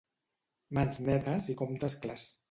Mans netes i comptes clars.